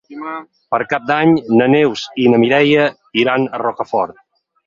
Per Cap d'Any na Neus i na Mireia iran a Rocafort.